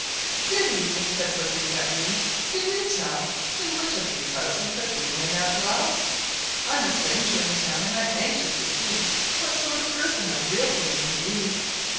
"Good evening," said Pussy cat Mew. "Can you tell In which of these houses the Queen may now dwell? I'm a stranger in town, and I'm anxious to see What sort of a person a real Queen may be."